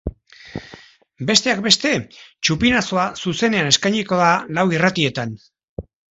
Besteak beste, txupinazoa zuzenean eskainiko da lau irratietan.